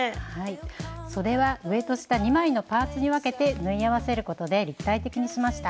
そでは上と下２枚のパーツに分けて縫い合わせることで立体的にしました。